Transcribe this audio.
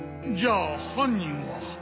じゃあ犯人は。